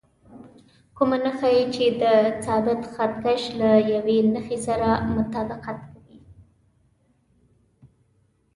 کومه نښه یې چې د ثابت خط کش له یوې نښې سره مطابقت کوي.